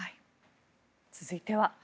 続いては。